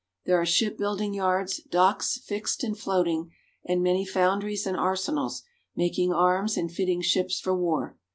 There are shipbuilding yards, docks fixed and floating, and many foundries and arsenals, mak ing arms and fitting ships for war.